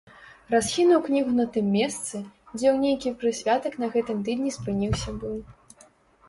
Расхінуў кнігу на тым месцы, дзе ў нейкі прысвятак на гэтым тыдні спыніўся быў.